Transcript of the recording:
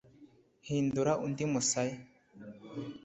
hindura undi musaya